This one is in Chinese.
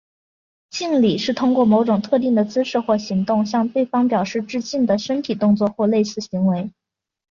敬礼是通过某种特定的姿势或行动向对方表示致敬的身体动作或类似行为。